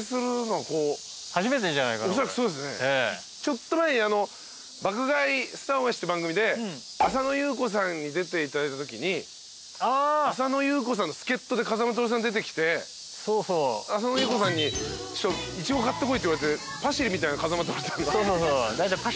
ちょっと前に『爆買い☆スター恩返し』って番組で浅野ゆう子さんに出ていただいたときに浅野ゆう子さんの助っ人で風間トオルさん出てきて浅野ゆう子さんにイチゴ買ってこいって言われてパシリみたいな風間トオルさんが。